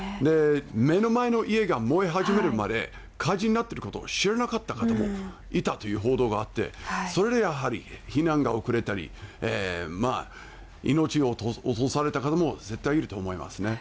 目の前の家が燃え始めるまで火事になってることを知らなかった方もいたという報道があって、それでやはり避難が遅れたり、命を落とされた方も絶対いると思いますね。